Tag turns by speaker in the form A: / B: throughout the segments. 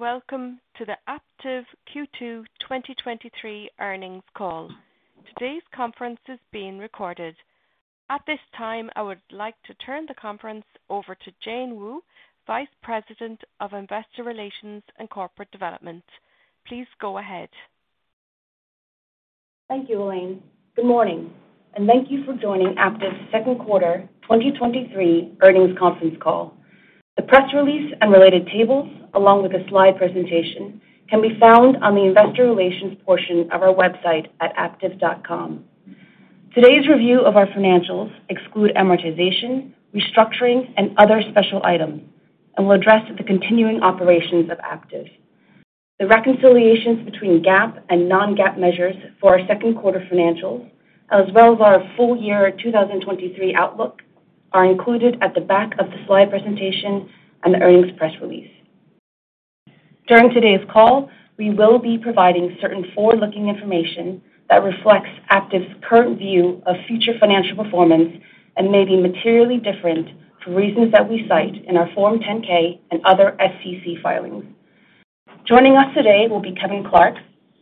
A: Welcome to the Aptiv Q2 2023 earnings call. Today's conference is being recorded. At this time, I would like to turn the conference over to Jane Wu, Vice President of Investor Relations and Corporate Development. Please go ahead.
B: Thank you, Elana. Good morning, and thank you for joining Aptiv's second quarter 2023 earnings conference call. The press release and related tables, along with a slide presentation, can be found on the investor relations portion of our website at aptiv.com. Today's review of our financials exclude amortization, restructuring, and other special items, and will address the continuing operations of Aptiv. The reconciliations between GAAP and non-GAAP measures for our second quarter financials, as well as our full year 2023 outlook, are included at the back of the slide presentation and the earnings press release. During today's call, we will be providing certain forward-looking information that reflects Aptiv's current view of future financial performance and may be materially different for reasons that we cite in our Form 10-K and other SEC filings. Joining us today will be Kevin Clark,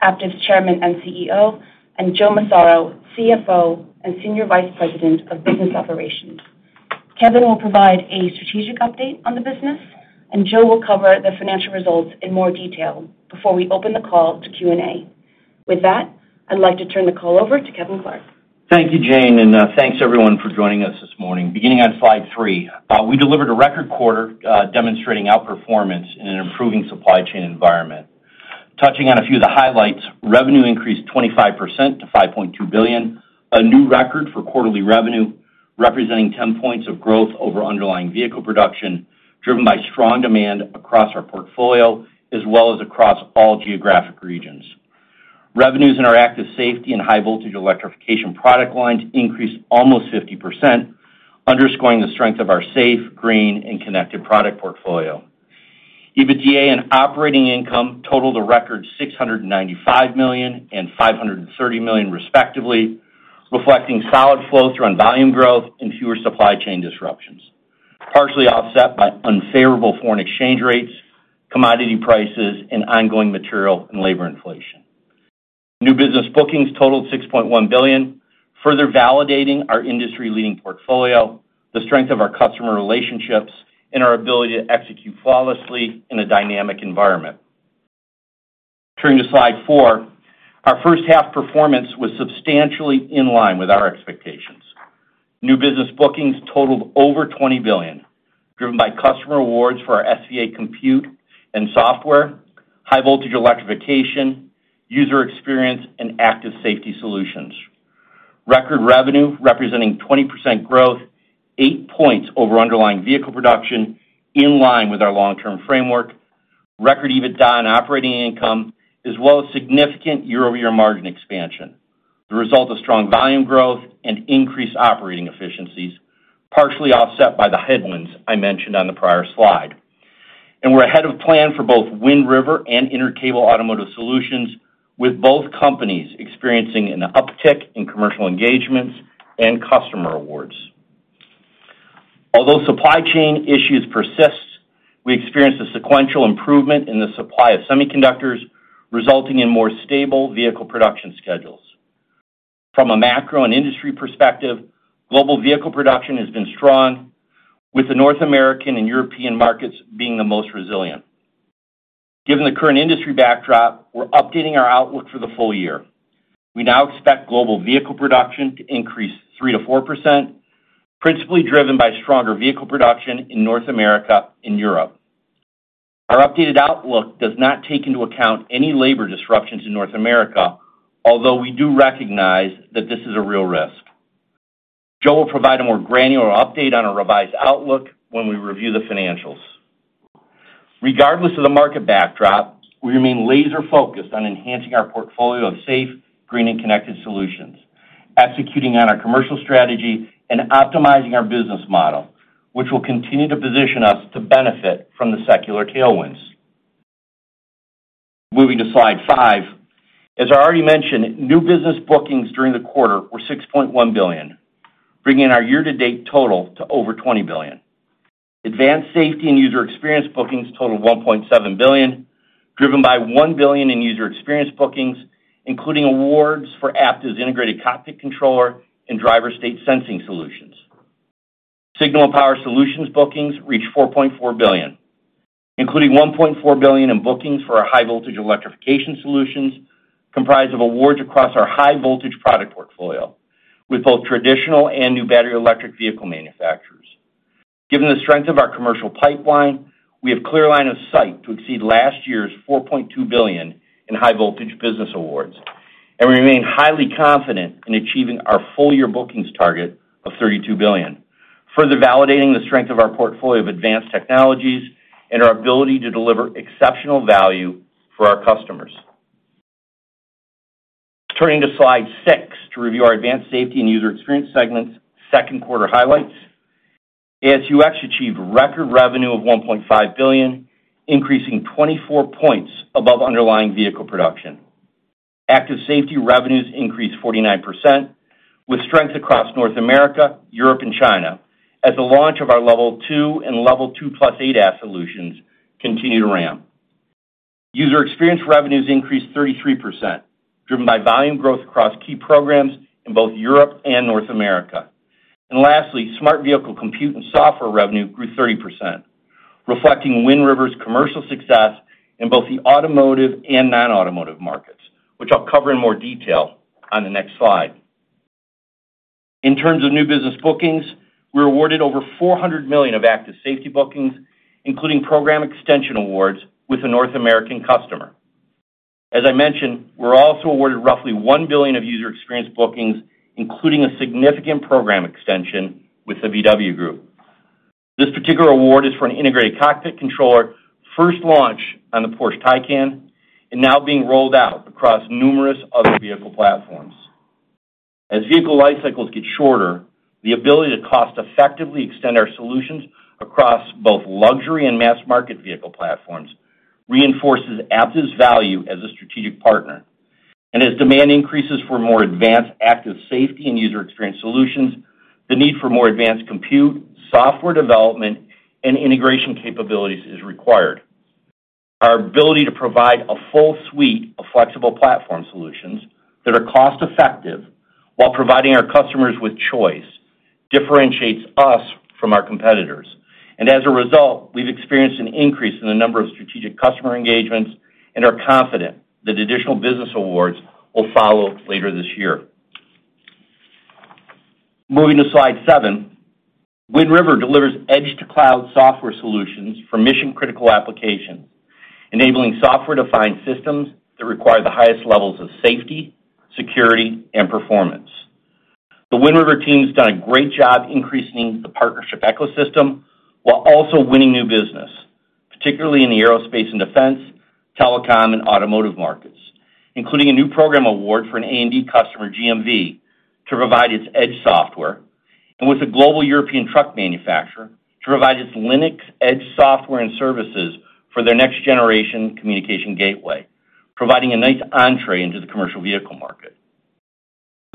B: Aptiv's Chairman and CEO, and Joe Massaro, CFO, and Senior Vice President of Business Operations. Kevin will provide a strategic update on the business, and Joe will cover the financial results in more detail before we open the call to Q&A. With that, I'd like to turn the call over to Kevin Clark.
C: Thank you, Jane, and thanks everyone for joining us this morning. Beginning on slide three, we delivered a record quarter, demonstrating outperformance in an improving supply chain environment. Touching on a few of the highlights, revenue increased 25% to $5.2 billion, a new record for quarterly revenue, representing 10 points of growth over underlying vehicle production, driven by strong demand across our portfolio, as well as across all geographic regions. Revenues in our active safety and high voltage electrification product lines increased almost 50%, underscoring the strength of our safe, green, and connected product portfolio. EBITDA and operating income totaled a record $695 million and $530 million, respectively, reflecting solid flow-through on volume growth and fewer supply chain disruptions, partially offset by unfavorable foreign exchange rates, commodity prices, and ongoing material and labor inflation. New business bookings totaled $6.1 billion, further validating our industry-leading portfolio, the strength of our customer relationships, and our ability to execute flawlessly in a dynamic environment. Turning to slide four, our first half performance was substantially in line with our expectations. New business bookings totaled over $20 billion, driven by customer awards for our SVA compute and software, high voltage electrification, user experience, and active safety solutions. Record revenue, representing 20% growth, 8 points over underlying vehicle production, in line with our long-term framework, record EBITDA and operating income, as well as significant year-over-year margin expansion, the result of strong volume growth and increased operating efficiencies, partially offset by the headwinds I mentioned on the prior slide. We're ahead of plan for both Wind River and Intercable Automotive Solutions, with both companies experiencing an uptick in commercial engagements and customer awards. Although supply chain issues persist, we experienced a sequential improvement in the supply of semiconductors, resulting in more stable vehicle production schedules. From a macro and industry perspective, global vehicle production has been strong, with the North American and European markets being the most resilient. Given the current industry backdrop, we're updating our outlook for the full year. We now expect global vehicle production to increase 3%-4%, principally driven by stronger vehicle production in North America and Europe. Our updated outlook does not take into account any labor disruptions in North America, although we do recognize that this is a real risk. Joe will provide a more granular update on our revised outlook when we review the financials. Regardless of the market backdrop, we remain laser-focused on enhancing our portfolio of safe, green, and connected solutions, executing on our commercial strategy and optimizing our business model, which will continue to position us to benefit from the secular tailwinds. Moving to slide five. As I already mentioned, new business bookings during the quarter were $6.1 billion, bringing our year-to-date total to over $20 billion. Advanced Safety and User Experience bookings totaled $1.7 billion, driven by $1 billion in user experience bookings, including awards for Aptiv's integrated cockpit controller and driver state sensing solutions. Signal Power Solutions bookings reached $4.4 billion, including $1.4 billion in bookings for our high voltage electrification solutions, comprised of awards across our high voltage product portfolio with both traditional and new battery electric vehicle manufacturers. Given the strength of our commercial pipeline, we have clear line of sight to exceed last year's $4.2 billion in high voltage business awards, and we remain highly confident in achieving our full year bookings target of $32 billion, further validating the strength of our portfolio of advanced technologies and our ability to deliver exceptional value for our customers. Turning to slide six to review our Advanced Safety and User Experience segment's second quarter highlights. AS&UX achieved record revenue of $1.5 billion, increasing 24 points above underlying vehicle production. Active safety revenues increased 49%, with strength across North America, Europe, and China, as the launch of our level 2 and level 2 plus ADAS solutions continue to ramp. User experience revenues increased 33%, driven by volume growth across key programs in both Europe and North America. Lastly, smart vehicle compute and software revenue grew 30%, reflecting Wind River's commercial success in both the automotive and non-automotive markets, which I'll cover in more detail on the next slide. In terms of new business bookings, we were awarded over $400 million of active safety bookings, including program extension awards with a North American customer. As I mentioned, we're also awarded roughly $1 billion of user experience bookings, including a significant program extension with the VW Group. This particular award is for an integrated cockpit controller, first launched on the Porsche Taycan, and now being rolled out across numerous other vehicle platforms. As vehicle life cycles get shorter, the ability to cost-effectively extend our solutions across both luxury and mass-market vehicle platforms reinforces Aptiv's value as a strategic partner. As demand increases for more advanced active safety and user experience solutions, the need for more advanced compute, software development, and integration capabilities is required. Our ability to provide a full suite of flexible platform solutions that are cost-effective while providing our customers with choice, differentiates us from our competitors. As a result, we've experienced an increase in the number of strategic customer engagements and are confident that additional business awards will follow later this year. Moving to slide seven. Wind River delivers edge-to-cloud software solutions for mission-critical applications, enabling software-defined systems that require the highest levels of safety, security, and performance. The Wind River team's done a great job increasing the partnership ecosystem while also winning new business, particularly in the aerospace and defense, telecom, and automotive markets, including a new program award for an A&D customer, GMV, to provide its edge software, and with a global European truck manufacturer to provide its Linux edge software and services for their next-generation communication gateway, providing a nice entree into the commercial vehicle market.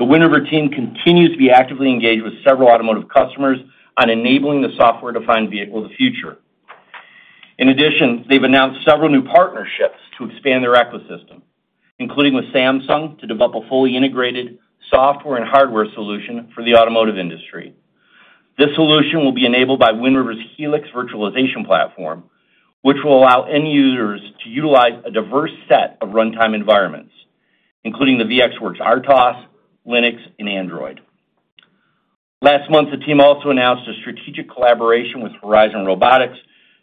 C: The Wind River team continues to be actively engaged with several automotive customers on enabling the software-defined vehicle of the future. They've announced several new partnerships to expand their ecosystem, including with Samsung, to develop a fully integrated software and hardware solution for the automotive industry. This solution will be enabled by Wind River's Helix Virtualization Platform, which will allow end users to utilize a diverse set of runtime environments, including the VxWorks RTOS, Linux, and Android. Last month, the team also announced a strategic collaboration with Horizon Robotics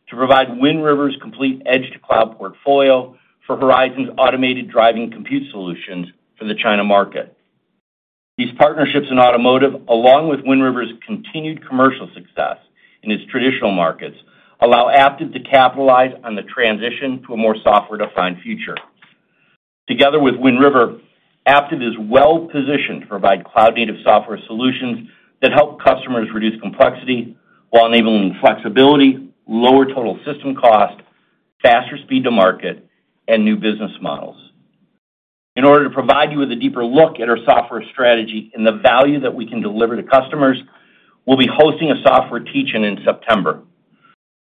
C: to provide Wind River's complete edge-to-cloud portfolio for Horizon's automated driving compute solutions for the China market. These partnerships in automotive, along with Wind River's continued commercial success in its traditional markets, allow Aptiv to capitalize on the transition to a more software-defined future. Together with Wind River, Aptiv is well-positioned to provide cloud-native software solutions that help customers reduce complexity while enabling flexibility, lower total system cost, faster speed to market, and new business models. In order to provide you with a deeper look at our software strategy and the value that we can deliver to customers, we'll be hosting a software teach-in in September.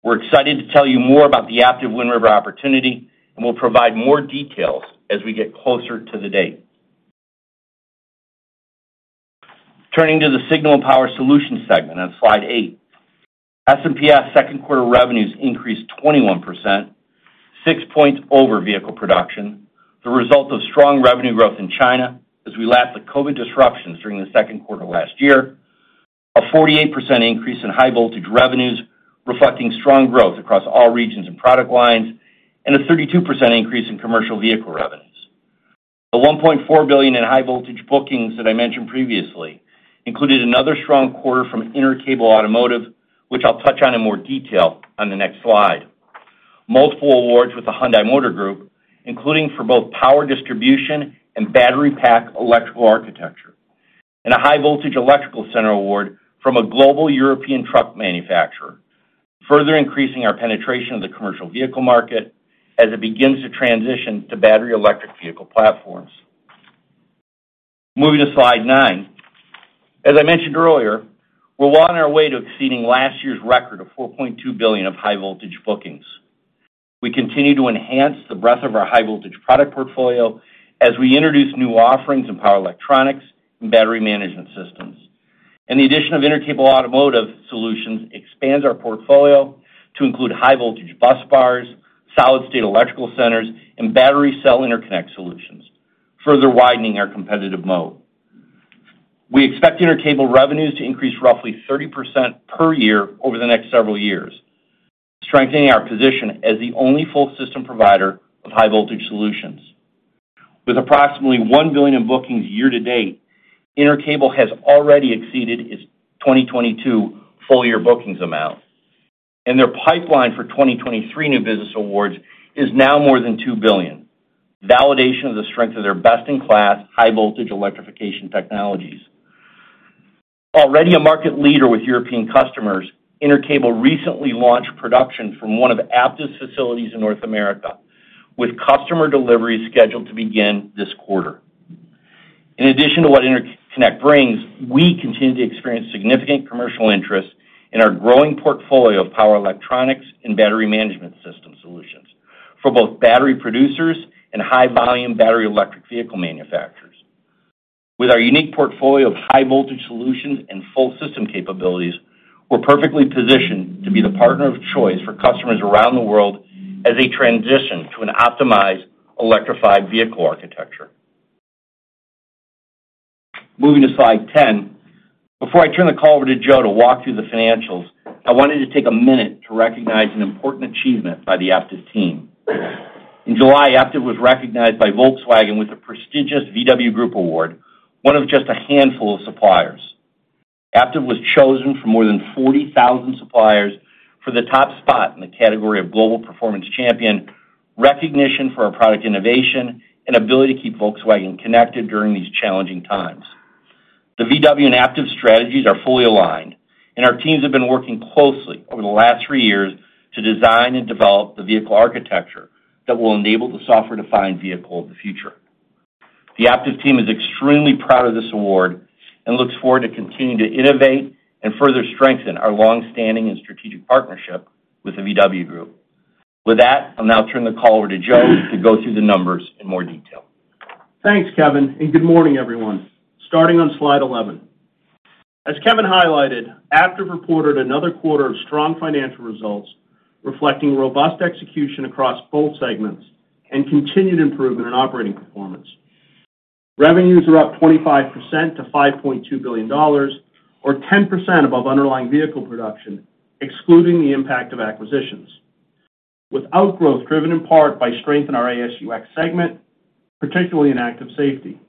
C: We're excited to tell you more about the Aptiv Wind River opportunity, and we'll provide more details as we get closer to the date. Turning to the Signal and Power Solutions segment on slide 8. S&PS second quarter revenues increased 21%, 6 points over vehicle production, the result of strong revenue growth in China as we lap the COVID disruptions during the second quarter of last year, a 48% increase in high-voltage revenues, reflecting strong growth across all regions and product lines, and a 32% increase in commercial vehicle revenues. The $1.4 billion in high-voltage bookings that I mentioned previously included another strong quarter from Intercable Automotive, which I'll touch on in more detail on the next slide. Multiple awards with the Hyundai Motor Group, including for both power distribution and battery pack electrical architecture, and a high voltage electrical center award from a global European truck manufacturer, further increasing our penetration of the commercial vehicle market as it begins to transition to battery electric vehicle platforms. Moving to slide nine. As I mentioned earlier, we're well on our way to exceeding last year's record of $4.2 billion of high-voltage bookings. We continue to enhance the breadth of our high-voltage product portfolio as we introduce new offerings in power electronics and battery management systems. The addition of Intercable Automotive Solutions expands our portfolio to include high-voltage busbars, solid-state electrical centers, and battery cell interconnect solutions, further widening our competitive moat. We expect Intercable revenues to increase roughly 30% per year over the next several years, strengthening our position as the only full system provider of high-voltage solutions. With approximately $1 billion in bookings year to date, Intercable has already exceeded its 2022 full-year bookings amount, and their pipeline for 2023 new business awards is now more than $2 billion, validation of the strength of their best-in-class, high-voltage electrification technologies... Already a market leader with European customers, Intercable recently launched production from one of Aptiv's facilities in North America, with customer delivery scheduled to begin this quarter. In addition to what interconnect brings, we continue to experience significant commercial interest in our growing portfolio of power electronics and battery management system solutions for both battery producers and high-volume battery electric vehicle manufacturers. With our unique portfolio of high-voltage solutions and full system capabilities, we're perfectly positioned to be the partner of choice for customers around the world as they transition to an optimized electrified vehicle architecture. Moving to slide 10. Before I turn the call over to Joe to walk through the financials, I wanted to take a minute to recognize an important achievement by the Aptiv team. In July, Aptiv was recognized by Volkswagen with the prestigious Volkswagen Group Award, one of just a handful of suppliers. Aptiv was chosen for more than 40,000 suppliers for the top spot in the category of Global Performance Champion, recognition for our product innovation, and ability to keep Volkswagen connected during these challenging times. The VW and Aptiv strategies are fully aligned, our teams have been working closely over the last three years to design and develop the vehicle architecture that will enable the software-defined vehicle of the future. The Aptiv team is extremely proud of this award and looks forward to continuing to innovate and further strengthen our long-standing and strategic partnership with the VW Group. With that, I'll now turn the call over to Joe to go through the numbers in more detail.
D: Thanks, Kevin, and good morning, everyone. Starting on slide 11. As Kevin highlighted, Aptiv reported another quarter of strong financial results, reflecting robust execution across both segments and continued improvement in operating performance. Revenues are up 25% to $5.2 billion or 10% above underlying vehicle production, excluding the impact of acquisitions, with outgrowth driven in part by strength in our AS&UX segment, particularly in active safety,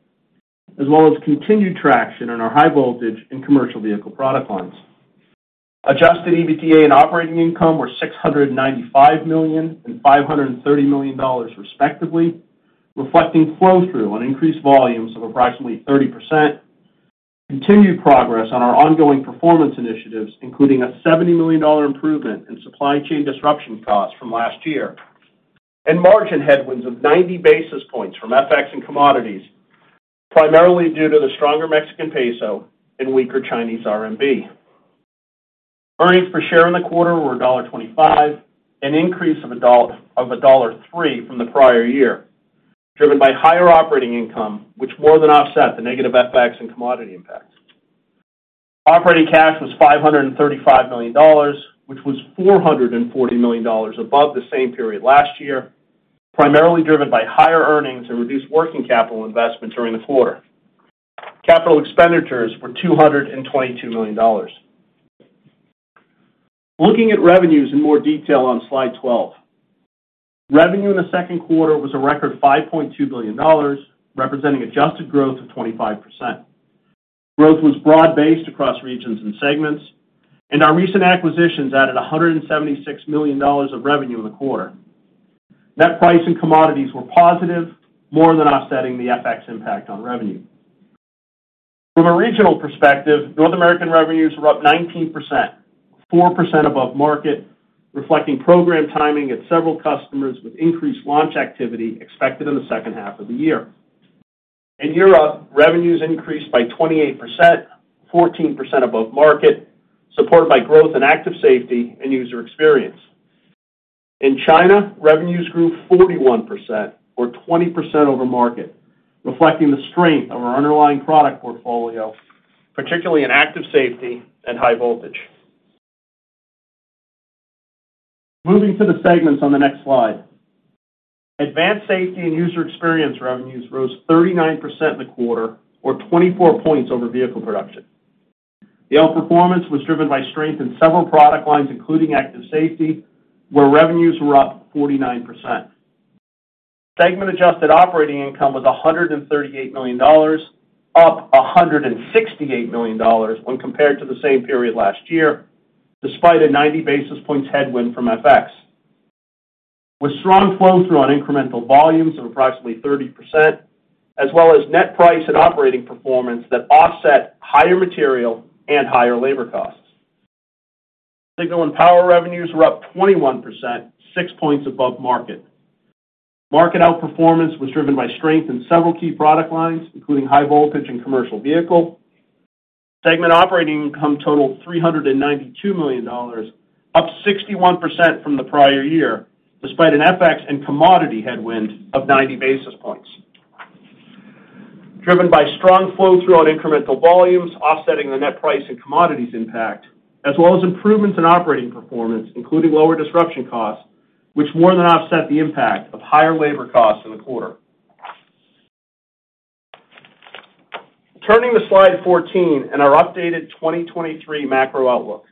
D: as well as continued traction in our high voltage and commercial vehicle product lines. Adjusted EBITDA and operating income were $695 million and $530 million, respectively, reflecting flow-through on increased volumes of approximately 30%. Continued progress on our ongoing performance initiatives, including a $70 million improvement in supply chain disruption costs from last year, and margin headwinds of 90 basis points from FX and commodities, primarily due to the stronger Mexican peso and weaker Chinese RMB. Earnings per share in the quarter were $1.25, an increase of $1.3 from the prior year, driven by higher operating income, which more than offset the negative FX and commodity impacts. Operating cash was $535 million, which was $440 million above the same period last year, primarily driven by higher earnings and reduced working capital investment during the quarter. Capital expenditures were $222 million. Looking at revenues in more detail on Slide 12. Revenue in the second quarter was a record $5.2 billion, representing adjusted growth of 25%. Growth was broad-based across regions and segments, and our recent acquisitions added $176 million of revenue in the quarter. Net price and commodities were positive, more than offsetting the FX impact on revenue. From a regional perspective, North American revenues were up 19%, 4% above market, reflecting program timing at several customers, with increased launch activity expected in the second half of the year. In Europe, revenues increased by 28%, 14% above market, supported by growth in Advanced Safety and User Experience. In China, revenues grew 41% or 20% over market, reflecting the strength of our underlying product portfolio, particularly in active safety and high voltage. Moving to the segments on the next slide. Advanced Safety and User Experience revenues rose 39% in the quarter, or 24 points over vehicle production. The outperformance was driven by strength in several product lines, including active safety, where revenues were up 49%. Segment adjusted operating income was $138 million, up $168 million when compared to the same period last year, despite a 90 basis points headwind from FX. With strong flow-through on incremental volumes of approximately 30%, as well as net price and operating performance that offset higher material and higher labor costs. Signal and power revenues were up 21%, 6 points above market. Market outperformance was driven by strength in several key product lines, including high voltage and commercial vehicle. Segment operating income totaled $392 million, up 61% from the prior year, despite an FX and commodity headwind of 90 basis points. Driven by strong flow-through on incremental volumes, offsetting the net price and commodities impact, as well as improvements in operating performance, including lower disruption costs, which more than offset the impact of higher labor costs in the quarter. Turning to slide 14 and our updated 2023 macro outlook.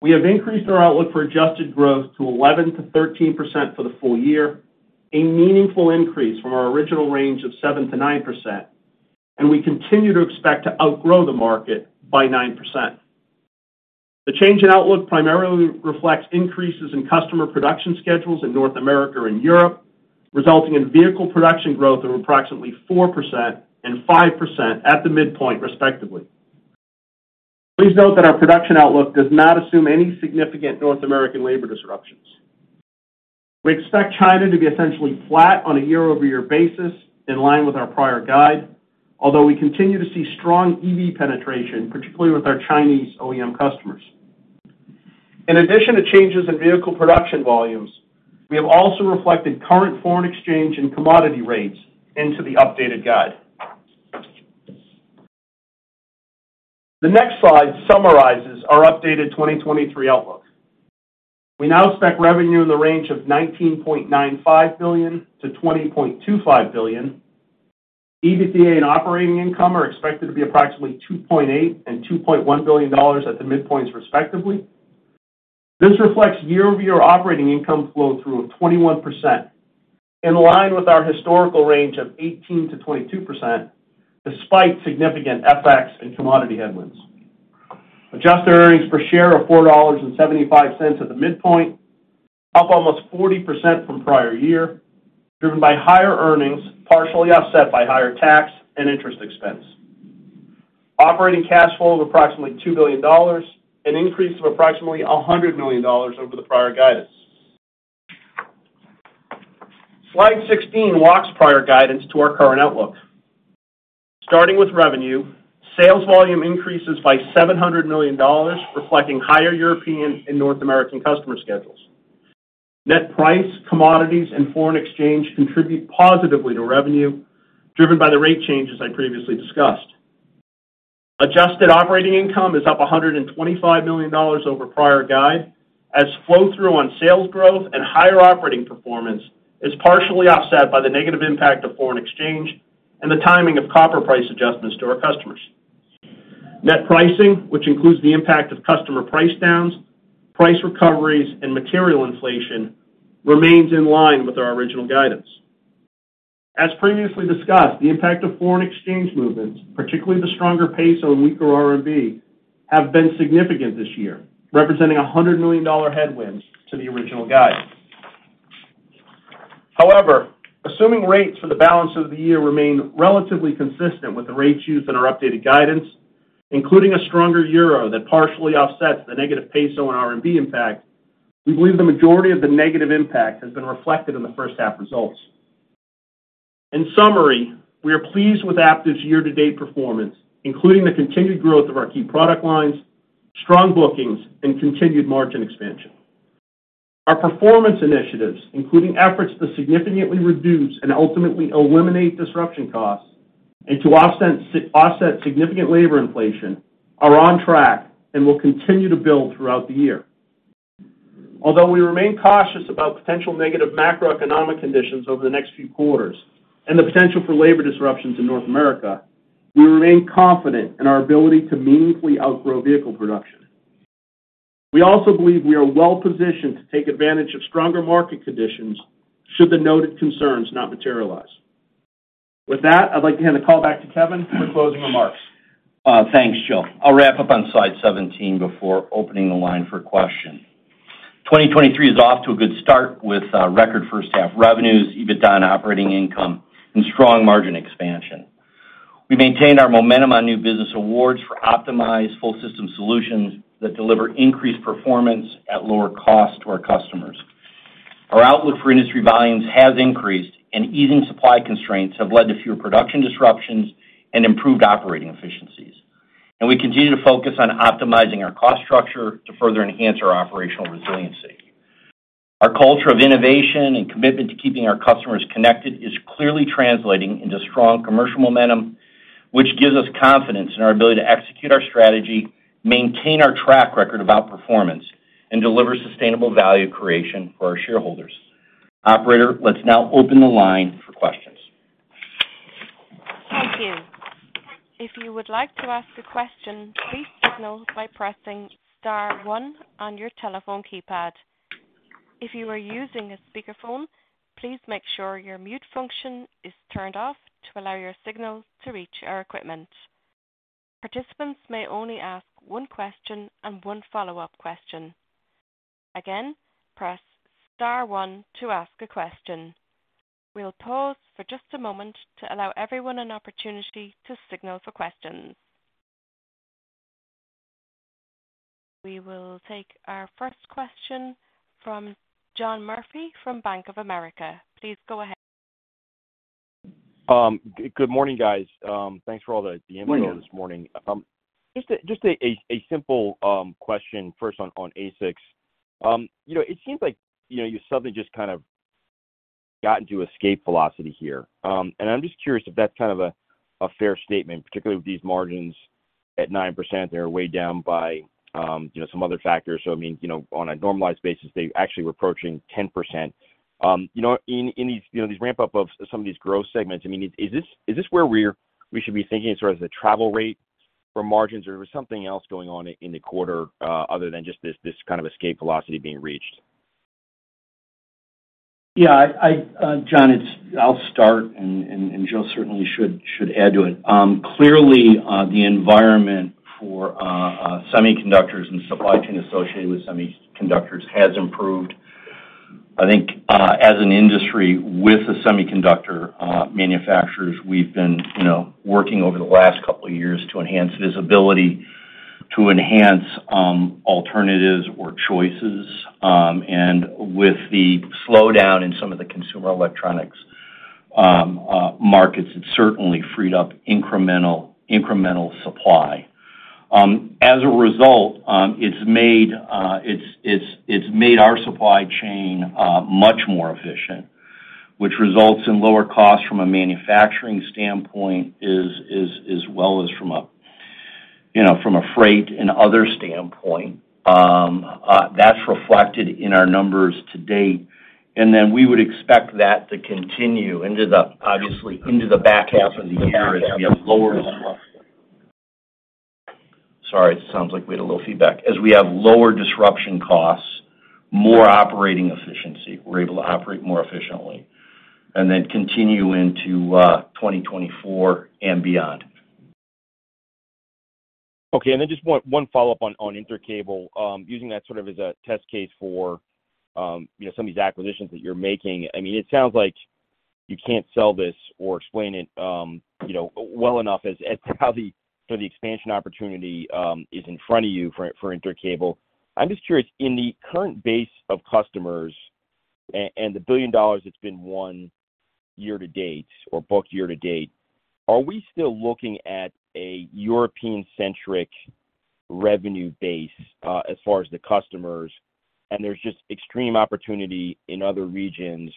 D: We have increased our outlook for adjusted growth to 11%-13% for the full year, a meaningful increase from our original range of 7%-9%, and we continue to expect to outgrow the market by 9%. The change in outlook primarily reflects increases in customer production schedules in North America and Europe, resulting in vehicle production growth of approximately 4% and 5% at the midpoint, respectively. Please note that our production outlook does not assume any significant North American labor disruptions. We expect China to be essentially flat on a year-over-year basis, in line with our prior guide, although we continue to see strong EV penetration, particularly with our Chinese OEM customers. In addition to changes in vehicle production volumes, we have also reflected current foreign exchange and commodity rates into the updated guide. The next slide summarizes our updated 2023 outlook. We now expect revenue in the range of $19.95 billion-$20.25 billion. EBITDA and operating income are expected to be approximately $2.8 billion and $2.1 billion at the midpoints, respectively. This reflects year-over-year operating income flow through of 21%, in line with our historical range of 18%-22%, despite significant FX and commodity headwinds. Adjusted earnings per share of $4.75 at the midpoint, up almost 40% from prior year, driven by higher earnings, partially offset by higher tax and interest expense. Operating cash flow of approximately $2 billion, an increase of approximately $100 million over the prior guidance. Slide 16 walks prior guidance to our current outlook. Starting with revenue, sales volume increases by $700 million, reflecting higher European and North American customer schedules. Net price, commodities, and foreign exchange contribute positively to revenue, driven by the rate changes I previously discussed. Adjusted operating income is up $125 million over prior guide, as flow-through on sales growth and higher operating performance is partially offset by the negative impact of foreign exchange and the timing of copper price adjustments to our customers. Net pricing, which includes the impact of customer price downs, price recoveries, and material inflation, remains in line with our original guidance. As previously discussed, the impact of foreign exchange movements, particularly the stronger peso and weaker RMB, have been significant this year, representing a $100 million headwinds to the original guide. Assuming rates for the balance of the year remain relatively consistent with the rates used in our updated guidance, including a stronger euro that partially offsets the negative peso and RMB impact, we believe the majority of the negative impact has been reflected in the first half results. In summary, we are pleased with Aptiv's year-to-date performance, including the continued growth of our key product lines, strong bookings, and continued margin expansion. Our performance initiatives, including efforts to significantly reduce and ultimately eliminate disruption costs and to offset significant labor inflation, are on track and will continue to build throughout the year. Although we remain cautious about potential negative macroeconomic conditions over the next few quarters and the potential for labor disruptions in North America, we remain confident in our ability to meaningfully outgrow vehicle production. We also believe we are well-positioned to take advantage of stronger market conditions should the noted concerns not materialize. With that, I'd like to hand the call back to Kevin for closing remarks.
C: Thanks, Joe. I'll wrap up on slide 17 before opening the line for questions. 2023 is off to a good start with record first half revenues, EBITDA, and operating income, and strong margin expansion. We maintained our momentum on new business awards for optimized full system solutions that deliver increased performance at lower cost to our customers. Our outlook for industry volumes has increased, and easing supply constraints have led to fewer production disruptions and improved operating efficiencies. We continue to focus on optimizing our cost structure to further enhance our operational resiliency. Our culture of innovation and commitment to keeping our customers connected is clearly translating into strong commercial momentum, which gives us confidence in our ability to execute our strategy, maintain our track record of outperformance, and deliver sustainable value creation for our shareholders. Operator, let's now open the line for questions.
A: Thank you. If you would like to ask a question, please signal by pressing star one on your telephone keypad. If you are using a speakerphone, please make sure your mute function is turned off to allow your signal to reach our equipment. Participants may only ask one question and one follow-up question. Again, press star one to ask a question. We'll pause for just a moment to allow everyone an opportunity to signal for questions. We will take our first question from John Murphy from Bank of America. Please go ahead.
E: Good morning, guys. Thanks for all the info this morning. Just a, just a, a simple question first on, on AS&UX. You know, it seems like, you know, you suddenly just kind of gotten to escape velocity here. And I'm just curious if that's kind of a, a fair statement, particularly with these margins at 9%, they are weighed down by, you know, some other factors. I mean, you know, on a normalized basis, they actually were approaching 10%. You know, in, in these, you know, these ramp up of some of these growth segments, I mean, is this, is this where we're, we should be thinking in terms of the travel rate for margins, or was something else going on in, in the quarter, other than just this, this kind of escape velocity being reached?
C: Yeah, I, I, John, I'll start, and Joe certainly should add to it. Clearly, the environment for semiconductors and supply chain associated with semiconductors has improved. I think, as an industry, with the semiconductor manufacturers, we've been, you know, working over the last 2 years to enhance visibility, to enhance alternatives or choices. With the slowdown in some of the consumer electronics markets, it's certainly freed up incremental, incremental supply. As a result, it's made our supply chain much more efficient, which results in lower costs from a manufacturing standpoint, as well as from a, you know, from a freight and other standpoint. That's reflected in our numbers to date. We would expect that to continue into the, obviously, into the back half of the year as we have lower- Sorry, it sounds like we had a little feedback. As we have lower disruption costs, more operating efficiency, we're able to operate more efficiently, and then continue into 2024 and beyond.
E: Okay, and then just one, one follow-up on, on Intercable. Using that sort of as a test case for, you know, some of these acquisitions that you're making. I mean, it sounds like you can't sell this or explain it, you know, well enough as, as to how the, sort of, the expansion opportunity is in front of you for, for Intercable. I'm just curious, in the current base of customers and, and the $1 billion that's been won year to date or booked year to date, are we still looking at a European-centric revenue base, as far as the customers, and there's just extreme opportunity in other regions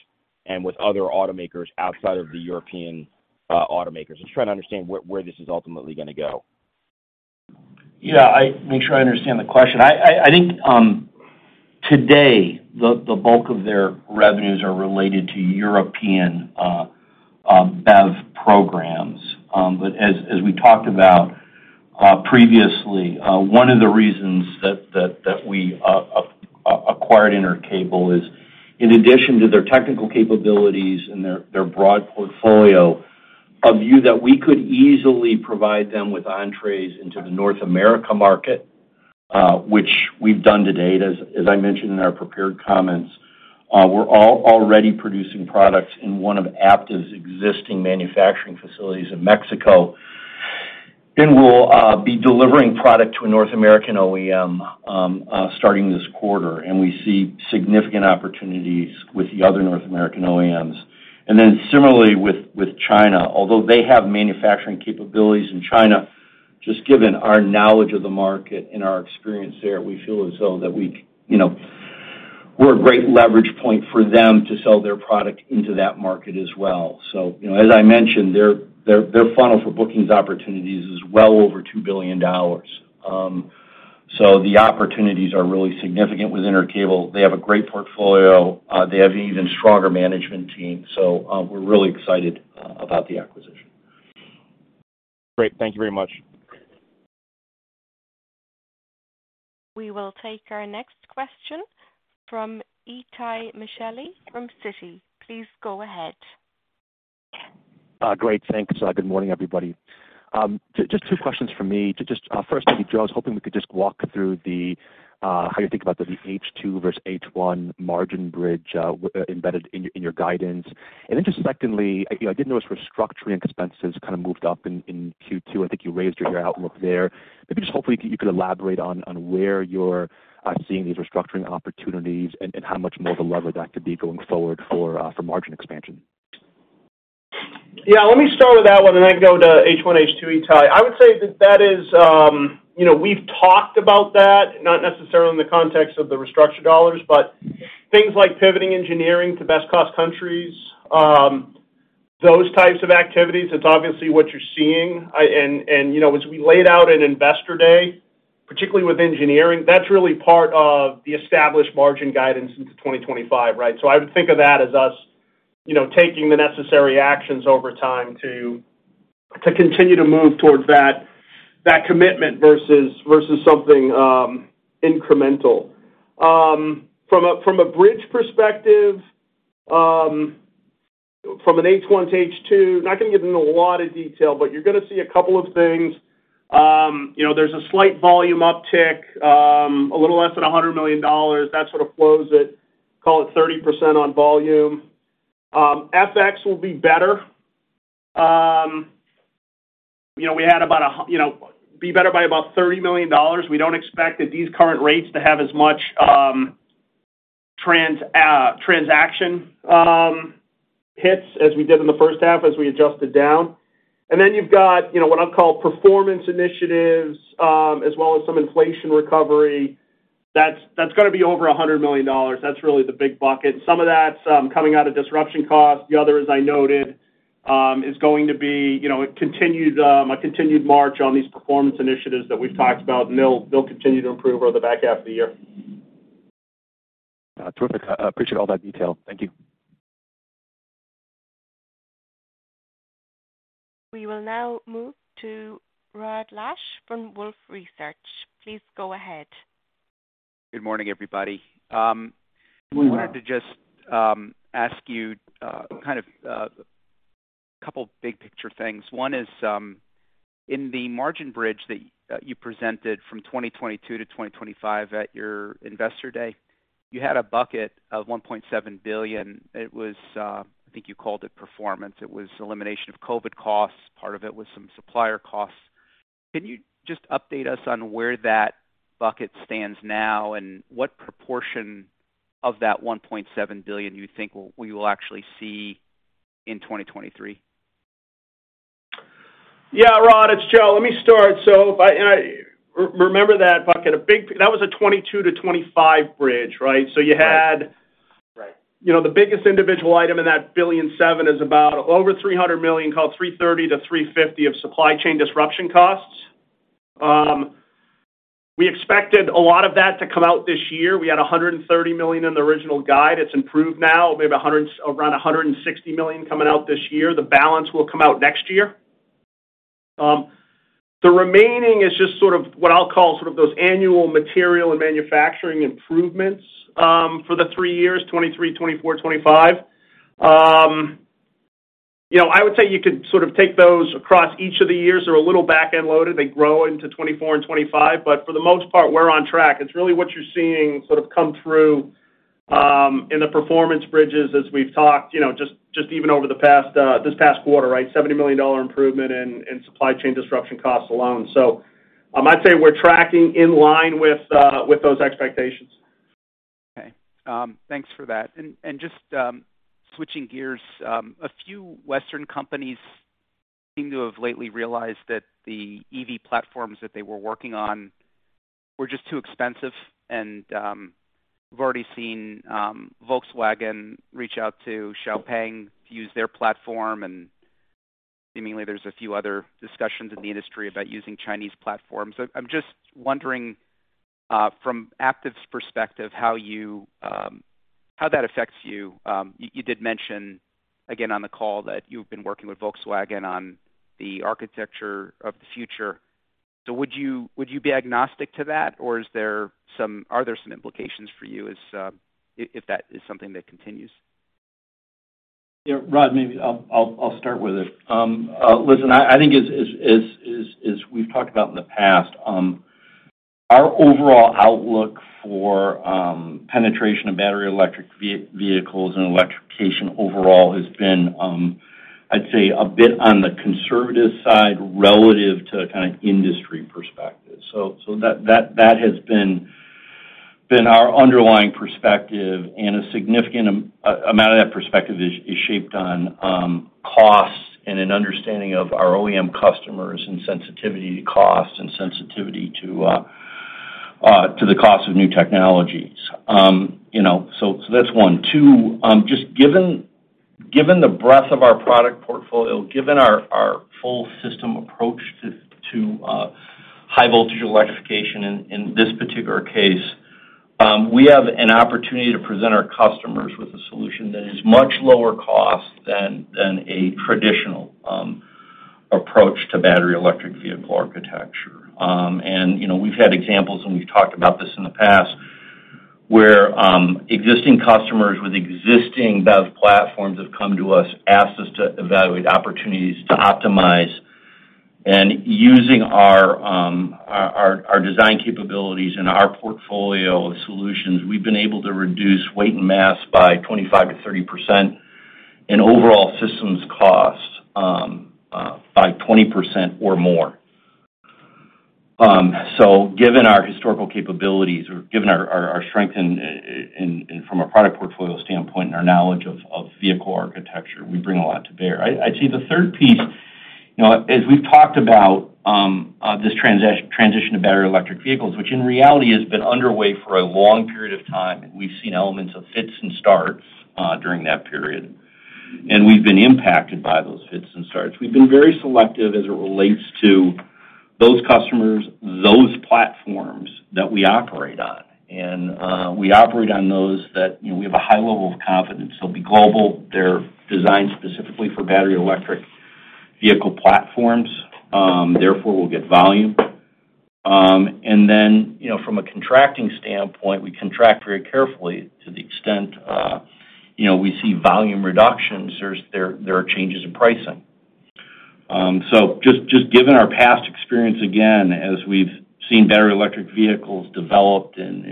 E: and with other automakers outside of the European automakers? I'm just trying to understand where, where this is ultimately gonna go.
C: Yeah, make sure I understand the question. I, I, I think today, the bulk of their revenues are related to European BEV programs. But as, as we talked about previously, one of the reasons that, that, that we acquired Intercable is, in addition to their technical capabilities and their broad portfolio, a view that we could easily provide them with entrees into the North America market, which we've done to date. As, as I mentioned in our prepared comments, we're all already producing products in one of Aptiv's existing manufacturing facilities in Mexico. And we'll be delivering product to a North American OEM starting this quarter, and we see significant opportunities with the other North American OEMs. Similarly, with, with China, although they have manufacturing capabilities in China, just given our knowledge of the market and our experience there, we feel as though that we, you know, we're a great leverage point for them to sell their product into that market as well. You know, as I mentioned, their, their, their funnel for bookings opportunities is well over $2 billion. The opportunities are really significant with Intercable. They have a great portfolio. They have an even stronger management team, so we're really excited about the acquisition.
E: Great. Thank you very much.
A: We will take our next question from Itay Michaeli from Citi. Please go ahead.
F: Great. Thanks. Good morning, everybody. Just two questions from me. Just first, maybe, Joe, I was hoping we could just walk through the how you think about the H2 versus H1 margin bridge embedded in your, in your guidance. Then just secondly, I, you know, I did notice restructuring expenses kind of moved up in Q2. I think you raised your, your outlook there. Maybe just hopefully you could elaborate on where you're seeing these restructuring opportunities and how much more of a lever that could be going forward for margin expansion.
D: Yeah, let me start with that one, and then go to H1, H2, Itay. I would say that that is, you know, we've talked about that, not necessarily in the context of the restructure dollars, but things like pivoting engineering to best cost countries, those types of activities, it's obviously what you're seeing. And, you know, as we laid out in Investor Day, particularly with engineering, that's really part of the established margin guidance into 2025, right? So I would think of that as us, you know, taking the necessary actions over time to, to continue to move towards that, that commitment versus, versus something incremental. From a, from a bridge perspective, from an H1 to H2, not gonna get into a lot of detail, but you're gonna see a couple of things. you know, there's a slight volume uptick, a little less than $100 million. That sort of flows at, call it, 30% on volume. FX will be better. you know, we had about, you know, be better by about $30 million. We don't expect that these current rates to have as much transaction hits as we did in the first half as we adjusted down. Then you've got, you know, what I'd call performance initiatives, as well as some inflation recovery. That's, that's gonna be over $100 million. That's really the big bucket. Some of that's coming out of disruption costs. The other, as I noted, is going to be, you know, a continued, a continued march on these performance initiatives that we've talked about, and they'll, they'll continue to improve over the back half of the year.
F: Terrific. I appreciate all that detail. Thank you.
A: We will now move to Rod Lache from Wolfe Research. Please go ahead.
G: Good morning, everybody. We wanted to just ask you kind of a couple big picture things. One is in the margin bridge that you presented from 2022-2025 at your Investor Day, you had a bucket of $1.7 billion. It was I think you called it performance. It was elimination of COVID costs. Part of it was some supplier costs. Can you just update us on where that bucket stands now, and what proportion of that $1.7 billion you think we will actually see in 2023?
D: Yeah, Rod, it's Joe. Let me start. Remember that bucket, that was a 22-25 bridge, right? You had-
G: Right.
D: You know, the biggest individual item in that $1.7 billion is about over $300 million, call it $330 million-$350 million of supply chain disruption costs. We expected a lot of that to come out this year. We had $130 million in the original guide. It's improved now, maybe $100 million, around $160 million coming out this year. The balance will come out next year. The remaining is just sort of what I'll call sort of those annual material and manufacturing improvements for the three years, 2023, 2024, 2025. You know, I would say you could sort of take those across each of the years. They're a little back-end loaded. They grow into 2024 and 2025, but for the most part, we're on track. It's really what you're seeing sort of come through, in the performance bridges as we've talked, you know, just, just even over the past, this past quarter, right? $70 million improvement in, in supply chain disruption costs alone. I'd say we're tracking in line with, with those expectations.
G: Okay, thanks for that. Just switching gears, a few Western companies seem to have lately realized that the EV platforms that they were working on were just too expensive, and we've already seen Volkswagen reach out to Xpeng to use their platform, and seemingly there's a few other discussions in the industry about using Chinese platforms. I'm just wondering, from Aptiv's perspective, how you, how that affects you. You, you did mention, again, on the call that you've been working with Volkswagen on the architecture of the future. Would you, would you be agnostic to that, or are there some implications for you as, if, if that is something that continues?
C: Yeah, Rod, maybe I'll start with it. Listen, I think as we've talked about in the past, our overall outlook for penetration of battery electric vehicles and electrification overall has been, I'd say a bit on the conservative side relative to kind of industry perspective. That has been our underlying perspective, and a significant amount of that perspective is shaped on costs and an understanding of our OEM customers and sensitivity to cost and sensitivity to the cost of new technologies. You know, that's one. Two, just given, given the breadth of our product portfolio, given our, our full system approach to, to high voltage electrification in, in this particular case, we have an opportunity to present our customers with a solution that is much lower cost than, than a traditional approach to battery electric vehicle architecture. And, you know, we've had examples, and we've talked about this in the past, where existing customers with existing BEV platforms have come to us, asked us to evaluate opportunities to optimize. And using our, our, our, our design capabilities and our portfolio of solutions, we've been able to reduce weight and mass by 25%-30% and overall systems cost by 20% or more. Given our historical capabilities or given our, our, our strength in, from a product portfolio standpoint and our knowledge of, of vehicle architecture, we bring a lot to bear. I'd say the third piece, you know, as we've talked about, this transition to battery electric vehicles, which in reality has been underway for a long period of time, and we've seen elements of fits and starts during that period, and we've been impacted by those fits and starts. We've been very selective as it relates to those customers, those platforms that we operate on, and we operate on those that, you know, we have a high level of confidence. They'll be global. They're designed specifically for battery electric vehicle platforms, therefore, we'll get volume. You know, from a contracting standpoint, we contract very carefully to the extent, you know, we see volume reductions, there are changes in pricing. Just, just given our past experience, again, as we've seen battery electric vehicles developed and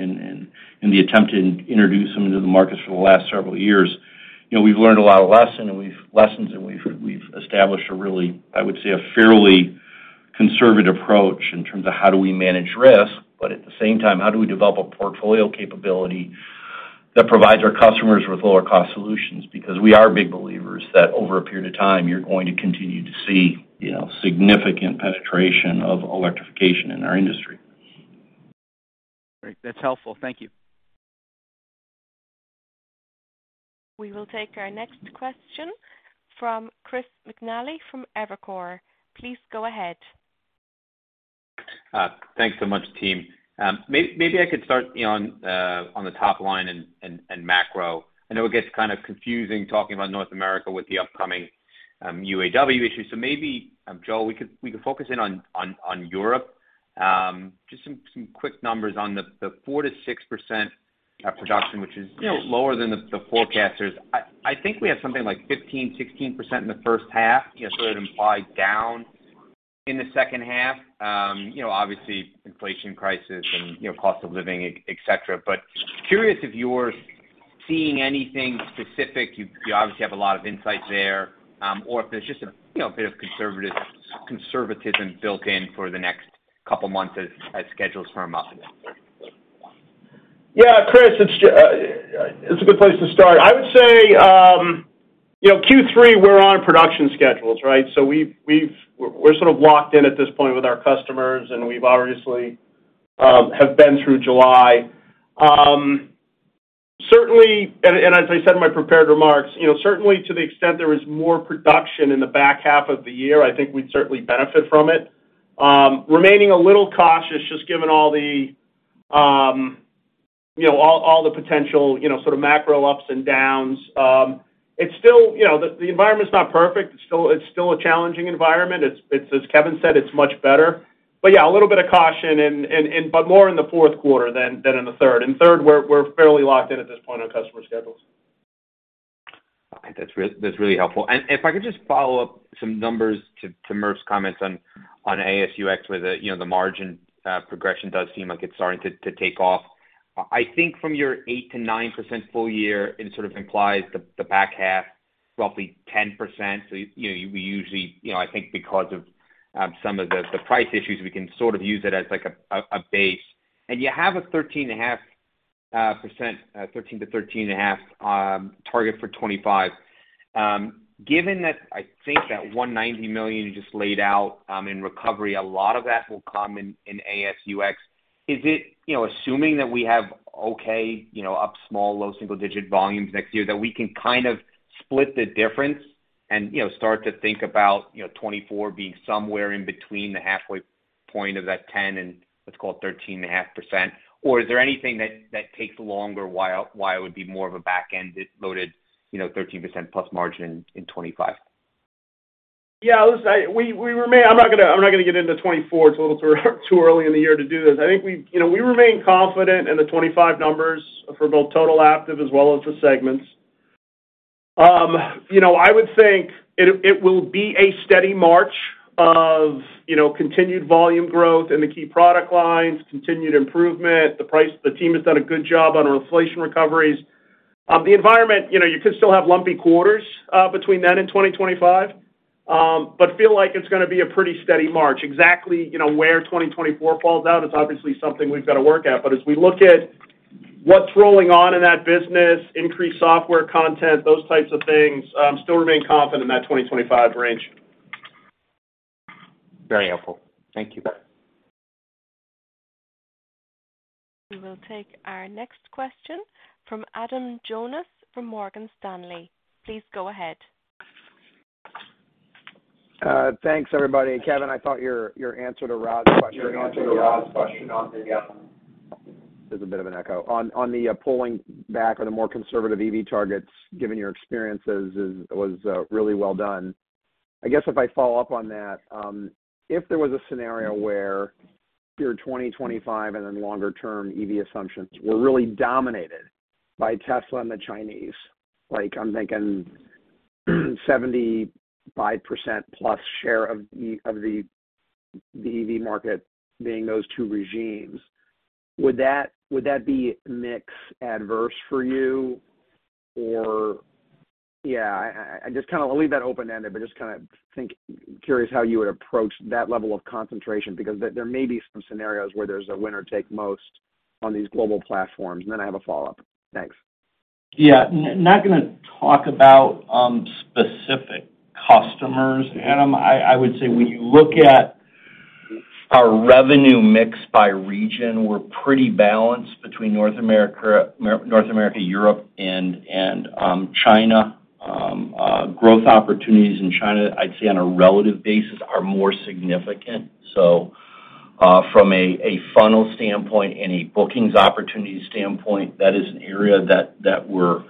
C: the attempt to introduce them into the market for the last several years, you know, we've learned a lot of lessons, and we've established a really, I would say, a fairly conservative approach in terms of how do we manage risk, but at the same time, how do we develop a portfolio capability that provides our customers with lower-cost solutions? Because we are big believers that over a period of time, you're going to continue to see, you know, significant penetration of electrification in our industry.
G: Great. That's helpful. Thank you.
A: We will take our next question from Chris McNally from Evercore. Please go ahead.
H: Thanks so much, team. Maybe I could start, you know, on the top line and macro. I know it gets kind of confusing talking about North America with the upcoming UAW issue. Maybe, Joe, we could focus in on Europe. Just some quick numbers on the 4%-6% production, which is, you know, lower than the forecasters. I think we had something like 15%, 16% in the first half, you know, so it implies down in the second half. You know, obviously, inflation crisis and, you know, cost of living, et cetera. Curious if you're seeing anything specific, you, you obviously have a lot of insight there, or if there's just a, you know, a bit of conservatism built in for the next couple of months as, as schedules firm up.
D: s a good place to start. I would say, you know, Q3, we're on production schedules, right? So we've, we're sort of locked in at this point with our customers, and we've obviously, have been through July. Certainly, and as I said in my prepared remarks, you know, certainly to the extent there is more production in the back half of the year, I think we'd certainly benefit from it. Remaining a little cautious, just given all the, you know, all the potential, you know, sort of macro ups and downs. It's still, you know, the environment's not perfect. It's still, it's still a challenging environment. It's, it's as Kevin Clark said, it's much better. But yeah, a little bit of caution and, and but more in the fourth quarter than, than in the third. In third, we're, we're fairly locked in at this point on customer schedules.
H: That's really helpful. If I could just follow up some numbers to Mark's comments on AS&UX, where the, you know, the margin progression does seem like it's starting to take off. I think from your 8%-9% full year, it sort of implies the back half, roughly 10%. You know, we usually, you know, I think because of some of the price issues, we can sort of use it as, like, a base. You have a 13.5% 13%-13.5% target for 2025. Given that, I think that $190 million you just laid out in recovery, a lot of that will come in AS&UX. Is it, you know, assuming that we have okay, you know, up small, low single digit volumes next year, that we can kind of split the difference and, you know, start to think about, you know, 2024 being somewhere in between the halfway point of that 10 and let's call it, 13.5%, or is there anything that, that takes longer, why, why it would be more of a back-end loaded, you know, 13%+ margin in 2025?
D: Yeah, listen, we remain. I'm not gonna, I'm not gonna get into 2024. It's a little too early in the year to do this. I think we, you know, we remain confident in the 2025 numbers for both total Aptiv as well as the segments. You know, I would think it will be a steady march of, you know, continued volume growth in the key product lines, continued improvement, the price. The team has done a good job on our inflation recoveries. The environment, you know, you could still have lumpy quarters between then and 2025, but feel like it's gonna be a pretty steady march. Exactly, you know, where 2024 falls out is obviously something we've got to work at. As we look at what's rolling on in that business, increased software content, those types of things, still remain confident in that 2025 range.
H: Very helpful. Thank you.
A: We will take our next question from Adam Jonas from Morgan Stanley. Please go ahead.
I: Thanks, everybody. Kevin, I thought your, your answer to Rod's question. There's a bit of an echo. On, on the pulling back or the more conservative EV targets, given your experiences, is, was really well done. I guess if I follow up on that, if there was a scenario where your 2025 and then longer-term EV assumptions were really dominated by Tesla and the Chinese, like, I'm thinking 75%+ share of the, of the, the EV market being those two regimes, would that, would that be mix adverse for you? Or yeah, I, I just kind of leave that open-ended, but just kind of think. Curious how you would approach that level of concentration, because there, there may be some scenarios where there's a winner take most on these global platforms. Then I have a follow-up. Thanks.
C: Yeah. Not gonna talk about specific customers, Adam. I, I would say when you look at our revenue mix by region, we're pretty balanced between North America, North America, Europe, and China. Growth opportunities in China, I'd say on a relative basis, are more significant. From a, a funnel standpoint and a bookings opportunity standpoint, that is an area that, that we're,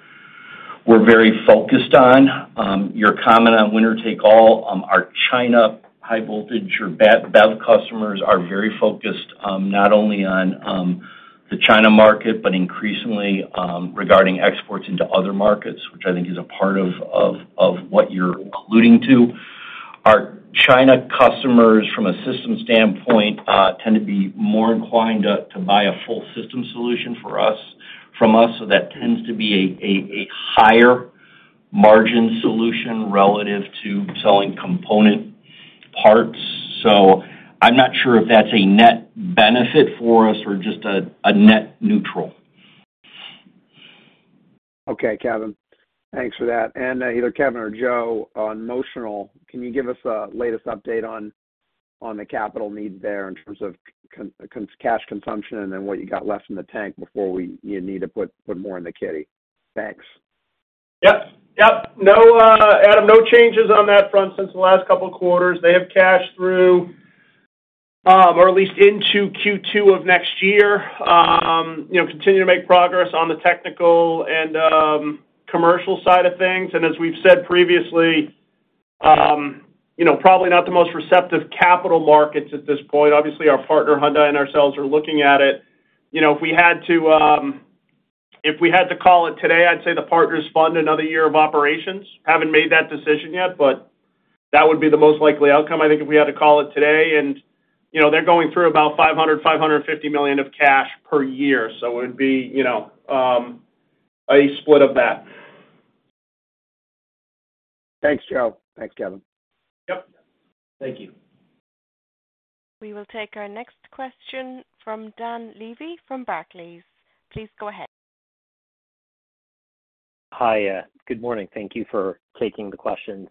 C: we're very focused on. Your comment on winner take all, our China high voltage or BEV customers are very focused, not only on the China market, but increasingly regarding exports into other markets, which I think is a part of, of, of what you're alluding to. Our China customers, from a system standpoint, tend to be more inclined to buy a full system solution from us, so that tends to be a higher margin solution relative to selling component parts. I'm not sure if that's a net benefit for us or just a net neutral.
I: Okay, Kevin. Thanks for that. Either Kevin or Joe, on Motional, can you give us a latest update on, on the capital need there in terms of cash consumption, and then what you got left in the tank before you need to put, put more in the kitty? Thanks.
D: Yep, yep. No, Adam, no changes on that front since the last couple of quarters. They have cashed through, or at least into Q2 of next year. You know, continue to make progress on the technical and commercial side of things. As we've said previously, you know, probably not the most receptive capital markets at this point. Obviously, our partner, Hyundai, and ourselves are looking at it. You know, if we had to, if we had to call it today, I'd say the partners fund another year of operations. Haven't made that decision yet, but that would be the most likely outcome, I think, if we had to call it today. You know, they're going through about $500 million-$550 million of cash per year, so it would be, you know, a split of that.
I: Thanks, Joe. Thanks, Kevin.
D: Yep. Thank you.
A: We will take our next question from Dan Levy from Barclays. Please go ahead.
J: Hi, good morning. Thank you for taking the questions.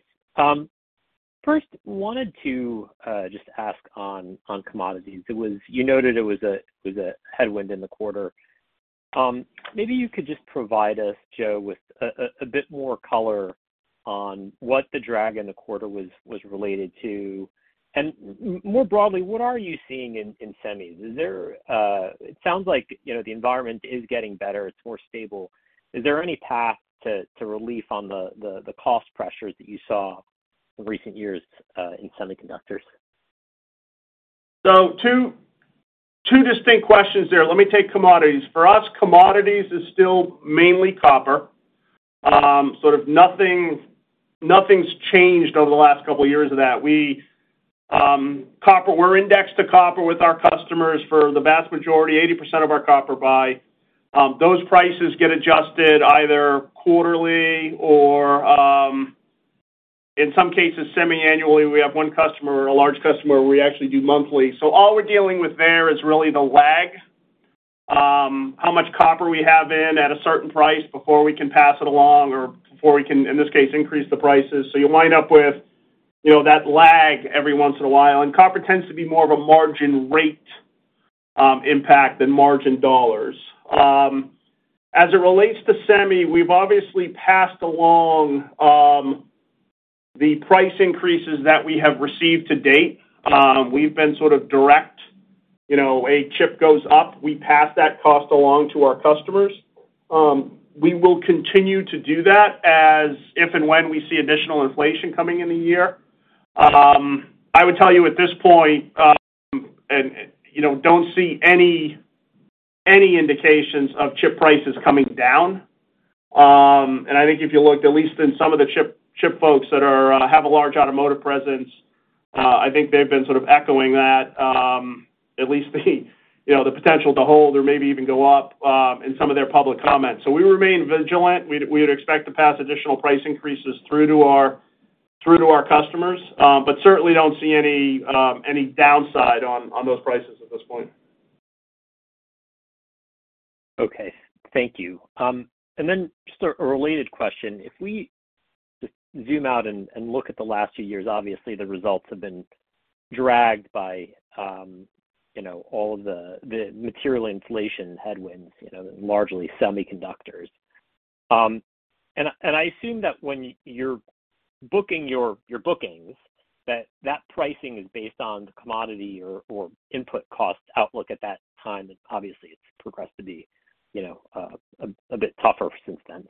J: First, wanted to just ask on commodities. It was you noted it was a, it was a headwind in the quarter. Maybe you could just provide us, Joe, with a, a, a bit more color on what the drag in the quarter was, was related to. And more broadly, what are you seeing in semis? Is there... It sounds like, you know, the environment is getting better, it's more stable. Is there any path to, to relief on the, the, the cost pressures that you saw in recent years in semiconductors?
D: Two, two distinct questions there. Let me take commodities. For us, commodities is still mainly copper. Sort of nothing, nothing's changed over the last two years of that. We, we're indexed to copper with our customers for the vast majority, 80% of our copper buy. Those prices get adjusted either quarterly or, in some cases, semiannually. We have 1 customer, a large customer, where we actually do monthly. All we're dealing with there is really the lag, how much copper we have in at a certain price before we can pass it along or before we can, in this case, increase the prices. You wind up with, you know, that lag every once in a while, and copper tends to be more of a margin rate impact than margin dollars. As it relates to semi, we've obviously passed along the price increases that we have received to date. We've been sort of direct, you know, a chip goes up, we pass that cost along to our customers. We will continue to do that as if and when we see additional inflation coming in the year. I would tell you at this point, and, you know, don't see any, any indications of chip prices coming down. I think if you looked, at least in some of the chip, chip folks that are, have a large automotive presence, I think they've been sort of echoing that, at least the, you know, the potential to hold or maybe even go up, in some of their public comments. We remain vigilant. We would expect to pass additional price increases through to our, through to our customers, but certainly don't see any, any downside on, on those prices at this point.
J: Okay. Thank you. Just a related question. If we just zoom out and look at the last few years, obviously, the results have been dragged by, you know, all of the material inflation headwinds, you know, largely semiconductors. I, and I assume that when you're booking your bookings, that that pricing is based on the commodity or input cost outlook at that time, and obviously, it's progressed to be, you know, a bit tougher since then.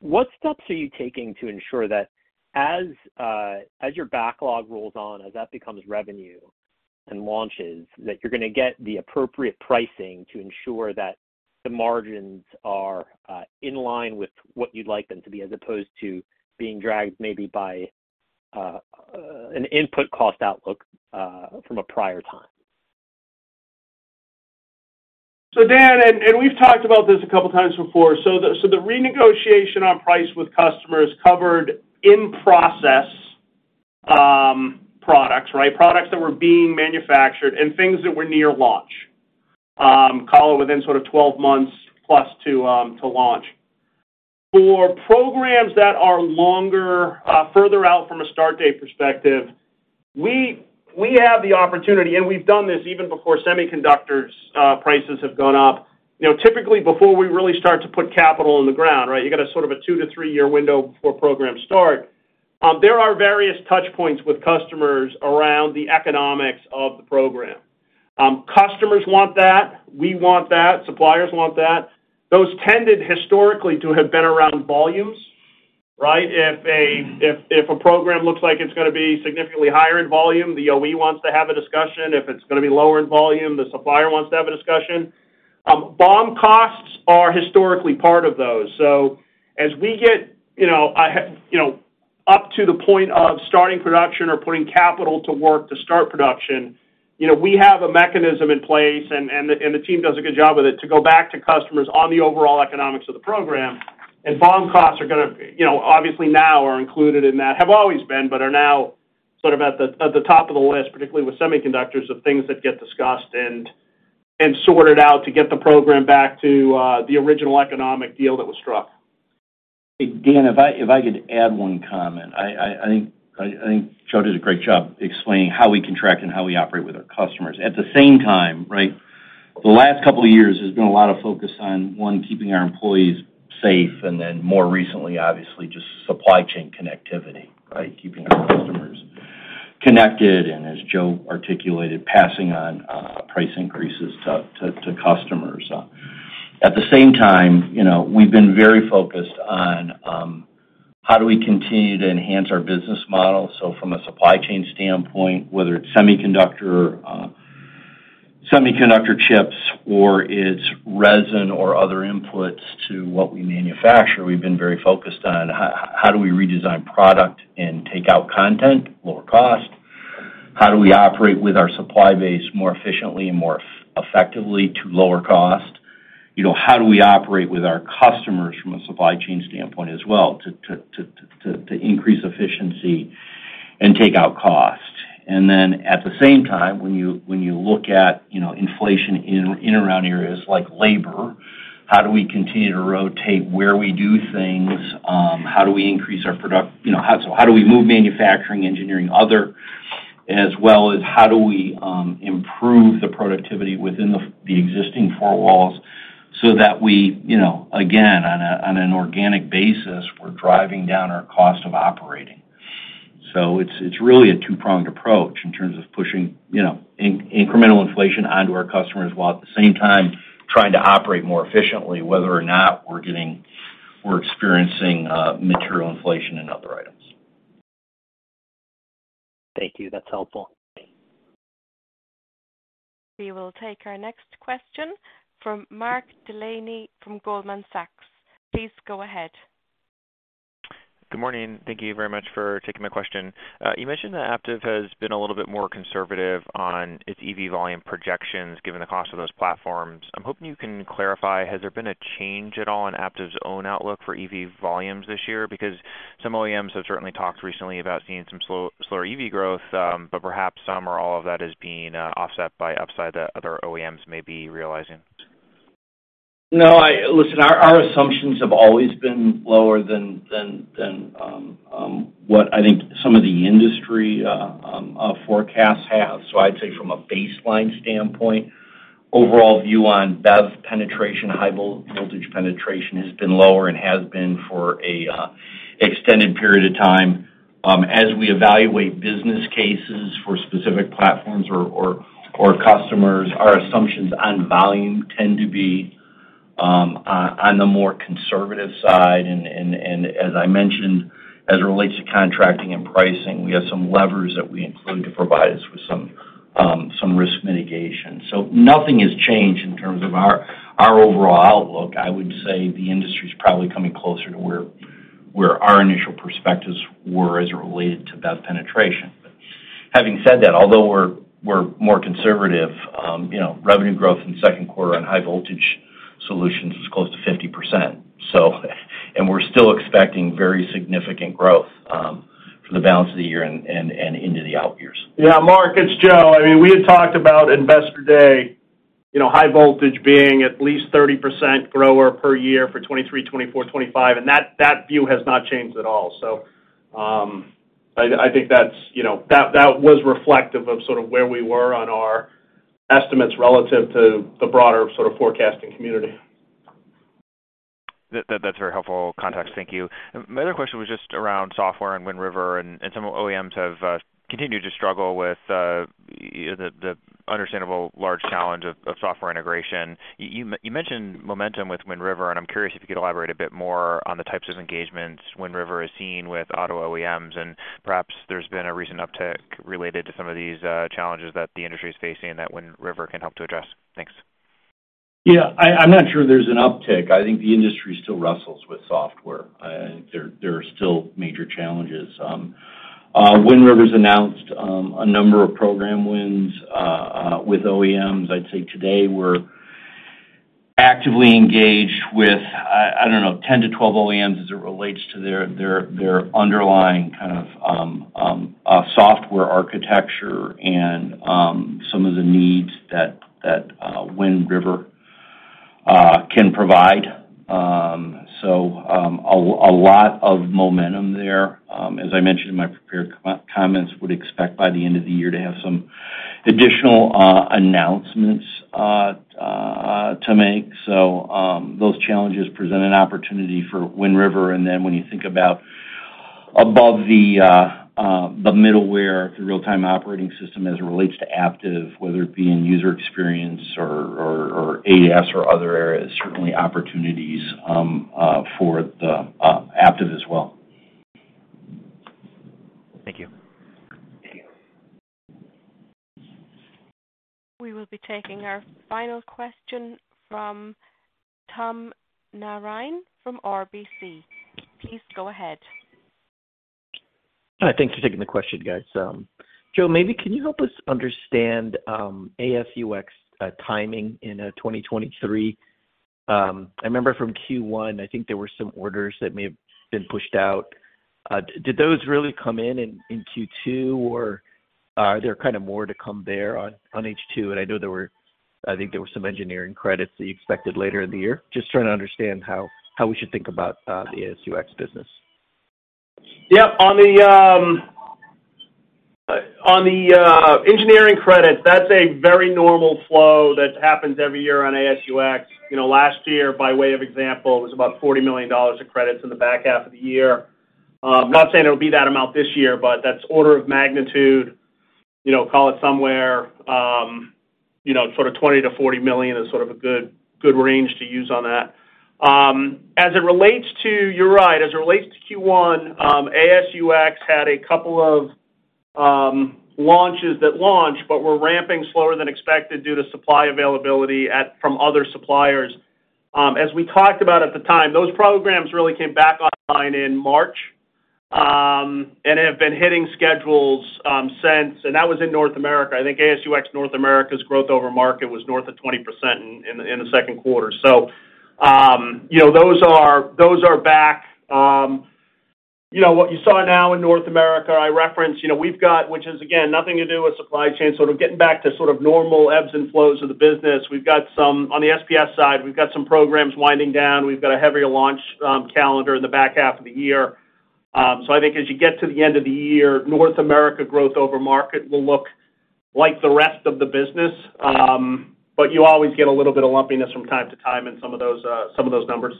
J: What steps are you taking to ensure that as, as your backlog rolls on, as that becomes revenue and launches, that you're gonna get the appropriate pricing to ensure that the margins are, in line with what you'd like them to be, as opposed to being dragged maybe by, an input cost outlook, from a prior time?
D: Dan, and, and we've talked about this a couple times before. So the, so the renegotiation on price with customers covered in process, products, right? Products that were being manufactured and things that were near launch, call it within sort of 12+ months to, to launch. For programs that are longer, further out from a start date perspective, we, we have the opportunity, and we've done this even before semiconductors, prices have gone up. You know, typically, before we really start to put capital in the ground, right, you got a sort of a two to three-year window before programs start. There are various touch points with customers around the economics of the program. Customers want that, we want that, suppliers want that. Those tended historically to have been around volumes, right? If a program looks like it's gonna be significantly higher in volume, the OE wants to have a discussion. If it's gonna be lower in volume, the supplier wants to have a discussion. BOM costs are historically part of those. As we get, you know, I have, you know, up to the point of starting production or putting capital to work to start production, you know, we have a mechanism in place, and the team does a good job with it, to go back to customers on the overall economics of the program. BOM costs are gonna, you know, obviously now are included in that. Have always been, but are now sort of at the, at the top of the list, particularly with semiconductors, of things that get discussed and, and sorted out to get the program back to the original economic deal that was struck.
C: Dan, if I could add one comment. I think Joe did a great job explaining how we contract and how we operate with our customers. At the same time, right? The last couple of years has been a lot of focus on, one, keeping our employees safe, and then more recently, obviously, just supply chain connectivity, right? Keeping our customers connected, and as Joe articulated, passing on price increases to, to, to customers. At the same time, you know, we've been very focused on how do we continue to enhance our business model? So from a supply chain standpoint, whether it's semiconductor, semiconductor chips, or it's resin or other inputs to what we manufacture, we've been very focused on how do we redesign product and take out content, lower cost? How do we operate with our supply base more efficiently and more effectively to lower cost? You know, how do we operate with our customers from a supply chain standpoint as well, to, to, to, to, to increase efficiency and take out cost? At the same time, when you, when you look at, you know, inflation in, in around areas like labor, how do we continue to rotate where we do things? You know, how do we move manufacturing, engineering, other, as well as how do we improve the productivity within the existing four walls so that we, you know, again, on a, on an organic basis, we're driving down our cost of operating. It's, it's really a two-pronged approach in terms of pushing, you know, incremental inflation onto our customers, while at the same time, trying to operate more efficiently, whether or not we're experiencing material inflation in other items.
J: Thank you. That's helpful.
A: We will take our next question from Mark Delaney from Goldman Sachs. Please go ahead.
K: Good morning. Thank you very much for taking my question. You mentioned that Aptiv has been a little bit more conservative on its EV volume projections, given the cost of those platforms. I'm hoping you can clarify, has there been a change at all in Aptiv's own outlook for EV volumes this year? Because some OEMs have certainly talked recently about seeing some slower EV growth, but perhaps some or all of that is being offset by upside that other OEMs may be realizing.
C: No. Listen, our, our assumptions have always been lower than, than, than, what I think some of the industry forecasts have. I'd say from a baseline standpoint, overall view on BEV penetration, high voltage penetration has been lower and has been for a extended period of time. As we evaluate business cases for specific platforms or, or, or customers, our assumptions on volume tend to be on, on the more conservative side. And, and as I mentioned, as it relates to contracting and pricing, we have some levers that we include to provide us with some risk mitigation. Nothing has changed in terms of our, our overall outlook. I would say the industry's probably coming closer to where, where our initial perspectives were as it related to BEV penetration. Having said that, although we're, we're more conservative, you know, revenue growth in the second quarter on high voltage solutions is close to 50%. We're still expecting very significant growth for the balance of the year and, and, and into the out years.
D: Yeah, Mark, it's Joe. I mean, we had talked about Investor Day, you know, high voltage being at least 30% grower per year for 2023, 2024, 2025, and that, that view has not changed at all. I, I think that's, you know, that, that was reflective of sort of where we were on our estimates relative to the broader sort of forecasting community.
K: That, that, that's very helpful context. Thank you. My other question was just around software and Wind River, and, and some OEMs have continued to struggle with, you know, the, the understandable large challenge of, of software integration. You, you mentioned momentum with Wind River, and I'm curious if you could elaborate a bit more on the types of engagements Wind River is seeing with auto OEMs, and perhaps there's been a recent uptick related to some of these challenges that the industry is facing and that Wind River can help to address. Thanks.
C: Yeah, I, I'm not sure there's an uptick. I think the industry still wrestles with software. There, there are still major challenges. Wind River's announced a number of program wins with OEMs. I'd say today we're actively engaged with, I, I don't know, 10-12 OEMs as it relates to their, their, their underlying kind of software architecture and some of the needs that, that, Wind River can provide. So, a lot of momentum there. As I mentioned in my prepared comments, would expect by the end of the year to have some additional announcements to make. Those challenges present an opportunity for Wind River. Then when you think about above the, the middleware, the real-time operating system as it relates to Aptiv, whether it be in user experience or, or, or ADS or other areas, certainly opportunities, for the, Aptiv as well.
K: Thank you.
C: Thank you.
A: We will be taking our final question from Tom Narayan from RBC. Please go ahead.
L: Hi, thanks for taking the question, guys. Joe, maybe can you help us understand AS&UX timing in 2023? I remember from Q1, I think there were some orders that may have been pushed out. Did those really come in in Q2, or are there kind of more to come there on H2? I know I think there were some engineering credits that you expected later in the year. Just trying to understand how, how we should think about the AS&UX business.
D: Yep. On the engineering credit, that's a very normal flow that happens every year on AS&UX. You know, last year, by way of example, was about $40 million of credits in the back half of the year. I'm not saying it will be that amount this year, but that's order of magnitude, you know, call it somewhere, you know, sort of $20 million-$40 million is sort of a good, good range to use on that. As it relates to-- You're right. As it relates to Q1, AS&UX had a couple of launches that launched but were ramping slower than expected due to supply availability at, from other suppliers. As we talked about at the time, those programs really came back online in March and have been hitting schedules since, and that was in North America. I think AS&UX North America's growth over market was north of 20% in the 2Q. You know, those are, those are back. You know, what you saw now in North America, I referenced, you know, we've got, which is, again, nothing to do with supply chain, sort of getting back to sort of normal ebbs and flows of the business. On the SPS side, we've got some programs winding down. We've got a heavier launch calendar in the back half of the year. I think as you get to the end of the year, North America growth over market will look like the rest of the business. You always get a little bit of lumpiness from time to time in some of those, some of those numbers.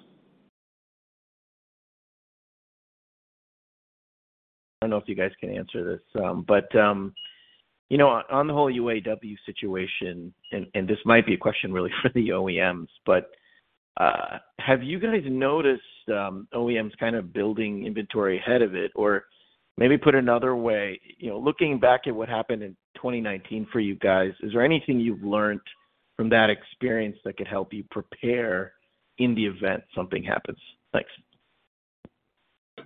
L: I don't know if you guys can answer this, but, you know, on, on the whole UAW situation, and, and this might be a question really for the OEMs, but have you guys noticed OEMs kind of building inventory ahead of it? Maybe put another way, you know, looking back at what happened in 2019 for you guys, is there anything you've learned from that experience that could help you prepare in the event something happens? Thanks.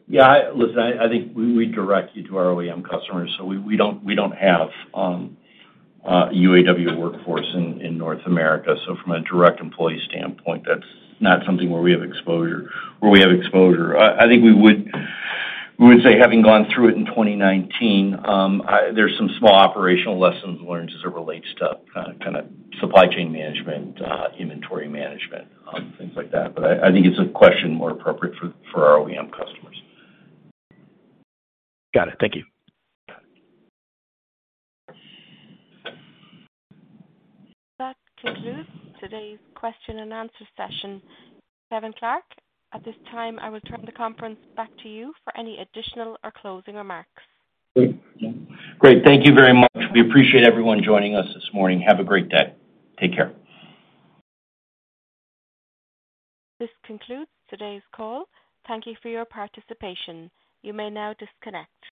D: Yeah, I-- listen, I, I think we, we direct you to our OEM customers, so we, we don't, we don't have a UAW workforce in North America. From a direct employee standpoint, that's not something where we have exposure, where we have exposure. I, I think we would, we would say, having gone through it in 2019, there's some small operational lessons learned as it relates to kind of supply chain management, inventory management, things like that. I, I think it's a question more appropriate for our OEM customers.
L: Got it. Thank you.
A: That concludes today's question and answer session. Kevin Clark, at this time, I will turn the conference back to you for any additional or closing remarks.
D: Great. Thank you very much. We appreciate everyone joining us this morning. Have a great day. Take care.
A: This concludes today's call. Thank you for your participation. You may now disconnect.